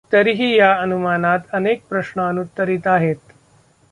तरीही या अनुमानात अनेक प्रश्न अनुत्तरित आहेत.